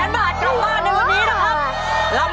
ถ้าพูดข้อนี้นะครับ